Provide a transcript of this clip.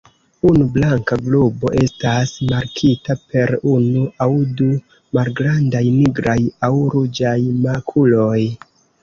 Unu blanka globo estas markita per unu aŭ du malgrandaj nigraj aŭ ruĝaj makuloj.